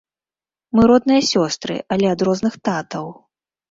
Мы родныя сёстры, але ад розных татаў.